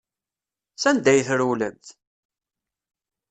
Sanda ay trewlemt?